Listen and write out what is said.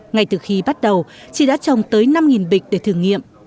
ngay từ khi bắt đầu chị đã trồng tới năm bịch để thử nghiệm